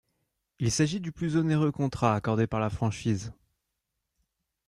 Il s'agit du plus onéreux contrat accordé par la franchise.